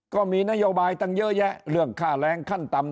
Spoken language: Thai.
ก็มีนโยบายตั้งเยอะแยะเรื่องค่าแรงขั้นต่ำ